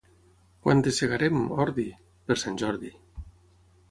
Quan et segarem, ordi? Per Sant Jordi.